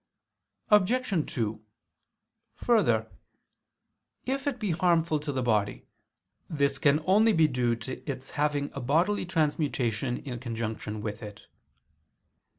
Obj. 2: Further if it be harmful to the body, this can only be due to its having a bodily transmutation in conjunction with it.